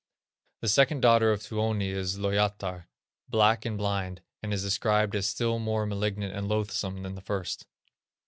The second daughter of Tuoni is Lowyatar, black and blind, and is described as still more malignant and loathsome than the first.